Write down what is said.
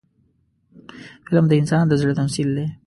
فلم د انسان د زړه تمثیل دی